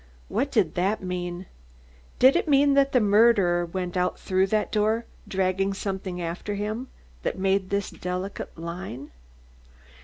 What did that mean? Did it mean that the murderer went out through that door, dragging something after him that made this delicate line?